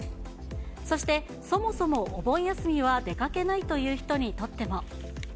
そして、そもそもお盆休みは出かけないという人にとっても。